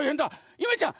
☎ゆめちゃん？